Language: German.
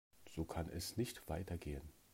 So kann es nicht weitergehen.